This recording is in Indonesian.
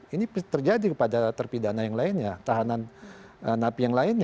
ini terjadi kepada terpidana yang lainnya tahanan napi yang lainnya